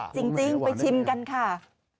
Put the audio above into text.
จริงจริงไปชิมกันค่ะ